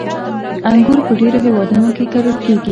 • انګور په ډېرو هېوادونو کې کرل کېږي.